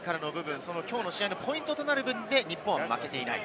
きょうの試合のポイントとなる部分で、日本は負けていない。